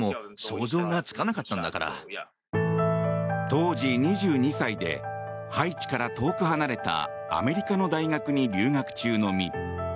当時２２歳でハイチから遠く離れたアメリカの大学に留学中の身。